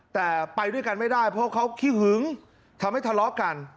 แต่ไปด้วยกันไม่ได้เพราะเขาขี้หึงทำให้ทะเลาะกัน